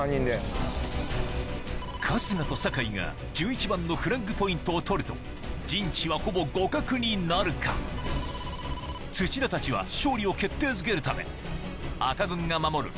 春日と酒井が１１番のフラッグポイントを取ると陣地はほぼ互角になるか土田たちは勝利を決定づけるため赤軍が守る